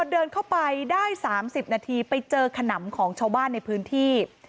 เดินเข้าไปได้๓๐นาทีไปเจอขนำของชาวบ้านในพื้นที่